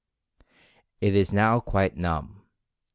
It is now quite numb.